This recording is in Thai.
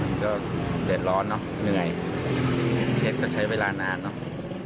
นี่ตัวแชทจะใช้เวลานานเนาะ